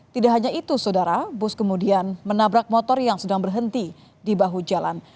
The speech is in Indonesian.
tidak hanya itu saudara bus kemudian menabrak motor yang sedang berhenti di bahu jalan